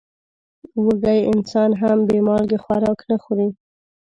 وږی انسان هم بې مالګې خوراک نه خوري.